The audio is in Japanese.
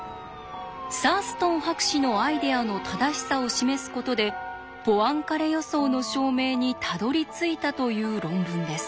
サーストン博士のアイデアの正しさを示すことでポアンカレ予想の証明にたどりついたという論文です。